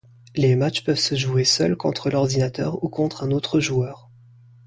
Les matchs peuvent se jouer seul contre l’ordinateur ou contre un autre joueur.